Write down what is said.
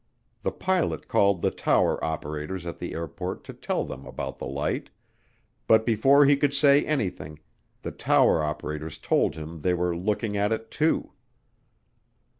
The pilot called the tower operators at the airport to tell them about the light, but before he could say anything, the tower operators told him they were looking at it too.